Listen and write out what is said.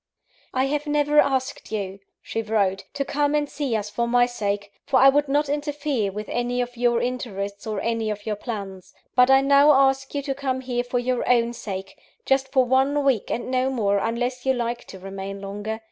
"I have never asked you," she wrote, "to come and see us for my sake; for I would not interfere with any of your interests or any of your plans; but I now ask you to come here for your own sake just for one week, and no more, unless you like to remain longer.